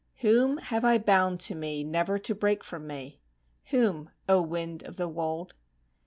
Whom have I bound to me never to break from me? (Whom, O wind of the wold?)